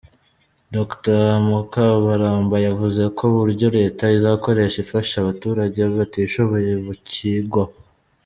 Dr Mukabaramba yavuze ko uburyo Leta izakoresha ifasha abaturage batishoboye bucyigwaho.